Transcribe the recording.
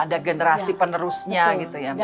ada generasi penerusnya gitu ya mbak ya